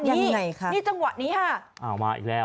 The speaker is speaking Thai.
ยังไงคะอ๋อมาอีกแล้วนี่จังหวะนี้ค่ะ